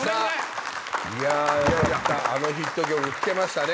いやあのヒット曲聴けましたね。